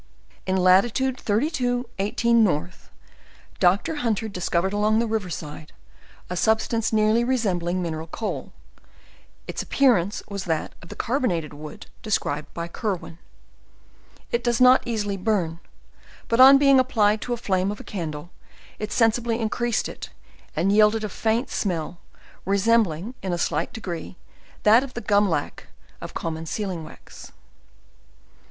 In latitude 32. 18. N Doctor Hunter discovered along the riverside a substance nearly resembling mineral coal; its ap pearance was that of the carbonated wooc described by Kir wan. It does not easily burn; but on beiug applied to the flame of a candle, it sensibly increased it, and yielded a faint smell, resembling in a slight degree, that of the gun lac of common sealing wax.